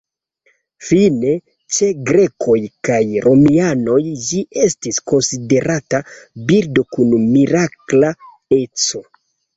Fine, ĉe grekoj kaj romianoj ĝi estis konsiderata birdo kun mirakla eco.